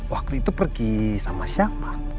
waktu itu pergi sama siapa